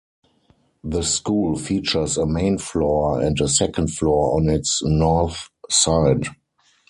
The school features a main floor and a second floor on its north side.